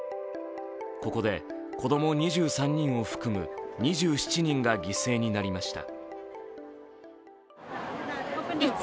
ここで子供２３人を含む２７人が犠牲になりました。